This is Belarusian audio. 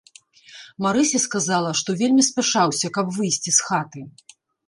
Марыся сказала, што вельмі спяшаўся, каб выйсці з хаты.